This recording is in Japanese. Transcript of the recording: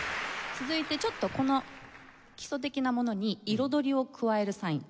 続いてちょっとこの基礎的なものに彩りを加えるサイン。